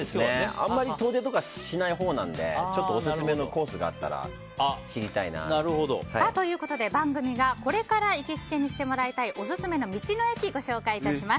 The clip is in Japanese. あまり遠出とかしないほうなのでオススメのコースがあったら知りたいなって。ということで番組がこれから行きつけにしてもらいたいオススメの道の駅をご紹介します。